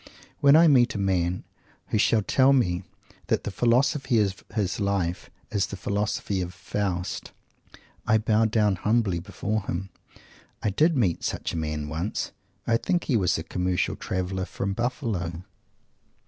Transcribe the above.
When I meet a man who shall tell me that the Philosophy of his life is the Philosophy of Faust, I bow down humbly before him. I did meet such a man once. I think he was a Commercial Traveller from Buffalo.